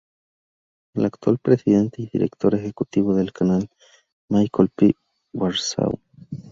El actual presidente y director ejecutivo del canal es Michael P. Warsaw.